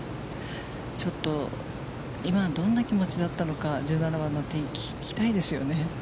ちょっと今、どんな気持ちだったのか、１７番、聞きたいですよね。